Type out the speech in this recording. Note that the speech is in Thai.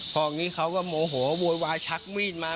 พออันนี้เขาก็โมโหโววาชักมีดมา